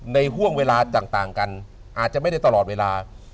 ในห่วงเวลาอาจจะไม่ได้ตลอดเวลา